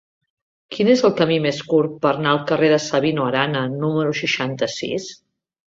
Quin és el camí més curt per anar al carrer de Sabino Arana número seixanta-sis?